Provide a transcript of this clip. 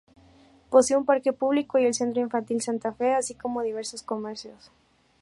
Posee un parque público y el Centro Infantil Santa Fe, así como diversos comercios.